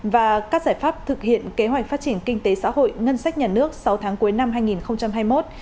và các giải pháp thực hiện kế hoạch phát triển kinh tế xã hội ngân sách nhà nước sáu tháng cuối năm hai nghìn hai mươi một